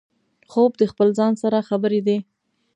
خوب د خپل ځان سره خبرې دي